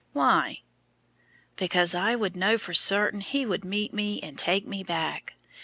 "Why?" "Because I would know for certain He would meet me and take me back.